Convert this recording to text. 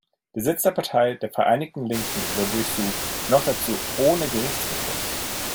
Der Sitz der Partei der Vereinigten Linken wurde durchsucht, noch dazu ohne Gerichtsbeschluss.